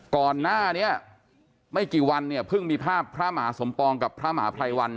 ก่อนหน้านี้ไม่กี่วันเนี่ยเพิ่งมีภาพพระมหาสมปองกับพระมหาภัยวัน